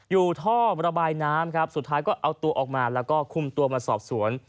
อยู่ท่อระบายน้ำครับสุดท้ายก็เอาตัวออกมาแล้วก็คุมตัวมาสอบสวน